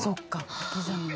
小刻みに。